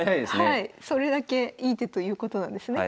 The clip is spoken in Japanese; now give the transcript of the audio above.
それだけいい手ということなんですね。